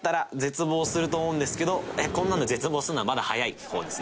こんなので絶望するのはまだ早い方ですね。